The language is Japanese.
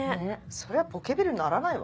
そりゃポケベル鳴らないわ。